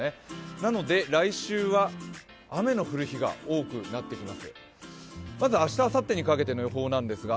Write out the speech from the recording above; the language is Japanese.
なので来週は雨の降る日が多くなってきます。